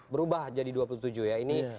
berubah jadi dua puluh tujuh ya ini